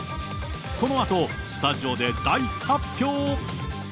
このあと、スタジオで大発表。